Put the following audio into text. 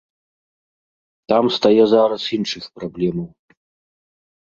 Там стае зараз іншых праблемаў.